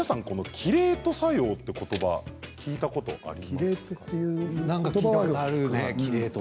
キレート作用ってことば、聞いたことありますか？